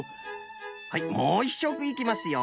はいもう１しょくいきますよ。